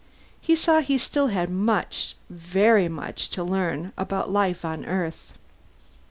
He saw he still had much, very much to learn about life on Earth.